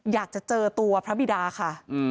อยากจะเจอตัวพระบิดาค่ะ